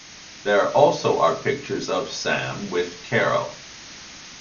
There also are pictures of Sam with Carol.